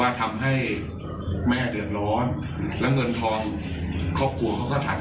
ว่าทำให้แม่เดือนร้อนและเงินทอง